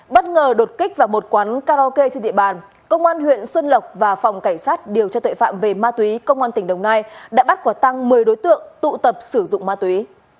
bất ngờ đột kích vào một quán karaoke trên địa bàn công an huyện xuân lộc và phòng cảnh sát điều tra tuệ phạm về ma túy công an tỉnh đồng nai đã bắt quả tăng một mươi đối tượng tụ tập sử dụng ma túy